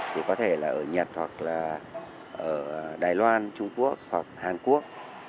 thì có thể là ở nhật hoặc là đài loan trung quốc hoặc hàn quốc